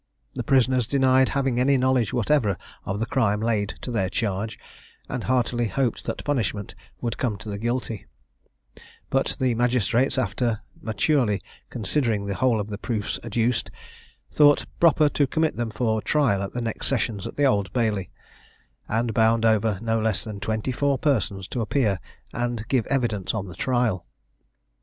The prisoners denied having any knowledge whatever of the crime laid to their charge, and heartily hoped that punishment would come to the guilty; but, the magistrates, after maturely considering the whole of the proofs adduced, thought proper to commit them for trial at the next sessions at the Old Bailey, and bound over no less than twenty four persons to appear and give evidence on the trial.